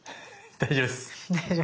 大丈夫です。